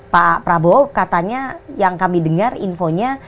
pak prabowo katanya yang kami dengar infonya